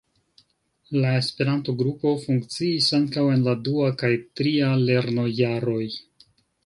La Esperanto-grupo funkciis ankaŭ en la dua kaj tria lernojaroj.